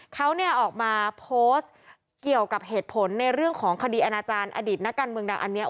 เขาเนี่ยออกมาโพสต์เกี่ยวกับเหตุผลในเรื่องของคดีอาณาจารย์อดีตนักการเมืองดังอันนี้